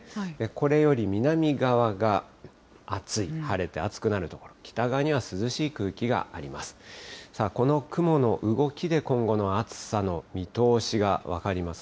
これより南側が暑い、晴れて暑くなる所、北側には涼しい空気があります。